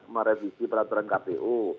merevisi peraturan kpu